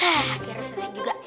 haa akhirnya selesai juga